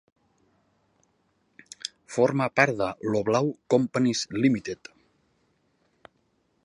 Forma part de Loblaw Companies Limited.